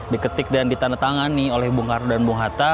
diketik dan ditandatangani oleh bung karno dan bung hatta